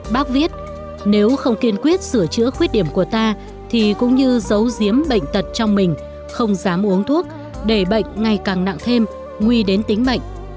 bác viết nếu không kiên quyết sửa chữa khuyết điểm của ta thì cũng như giấu giếm bệnh tật trong mình không dám uống thuốc để bệnh ngày càng nặng thêm nguy đến tính mệnh